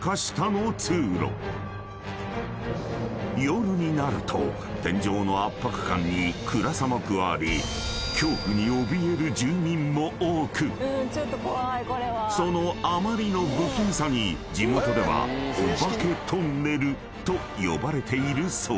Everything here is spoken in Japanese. ［夜になると天井の圧迫感に暗さも加わり恐怖におびえる住民も多くそのあまりの不気味さに地元ではオバケトンネルと呼ばれているそう］